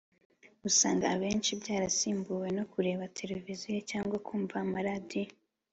usanga ahenshi byarasimbuwe no kureba tereviziyo cyangwa kumva amaradiyo